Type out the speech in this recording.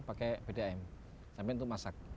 pakai pdam jamin untuk masak